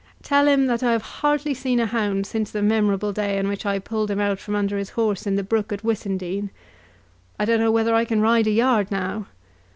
Tell him that I have hardly seen a hound since the memorable day on which I pulled him out from under his horse in the brook at Wissindine. I don't know whether I can ride a yard now.